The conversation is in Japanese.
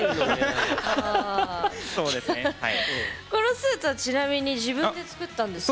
このスーツは、ちなみに自分で作ったんですか？